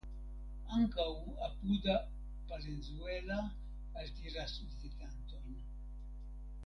Ankaŭ apuda Palenzuela altiras vizitantojn.